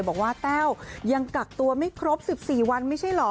แต้วยังกักตัวไม่ครบ๑๔วันไม่ใช่เหรอ